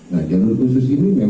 nah jalur khusus ini